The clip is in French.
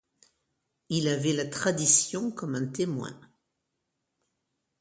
Il en avait la tradition comme un témoin.